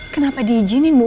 kenapa diizinin bu